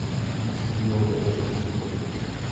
Přispíval do časopisu "Květy".